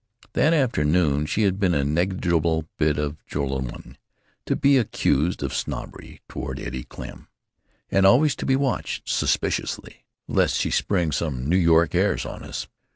That afternoon she had been a negligible bit of Joralemon, to be accused of snobbery toward Eddie Klemm, and always to be watched suspiciously lest she "spring some New York airs on us."...